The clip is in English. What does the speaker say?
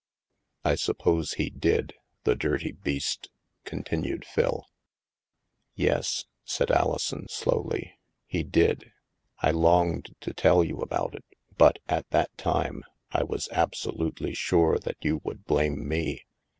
"I suppose he did, the dirty beast," continued Phil. " Yes," said Alison slowly, " he did. I longed to tell you about it but, at that time, I was absolutely sure that you would blame me.